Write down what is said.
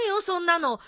そんなの。